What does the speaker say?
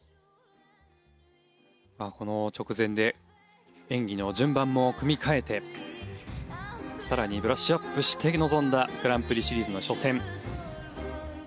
この直前で演技の順番も組み替えて更にブラッシュアップして臨んだグランプリシリーズの初戦。